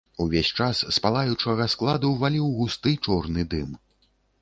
Увесь час з палаючага складу валіў густы чорны дым.